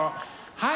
はい！